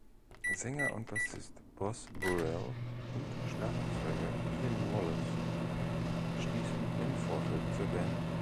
Sänger und Bassist Boz Burrell und Schlagzeuger Ian Wallace stießen im Vorfeld zur Band.